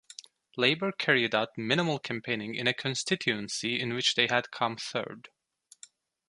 Labour carried out minimal campaigning in a constituency in which they had come third.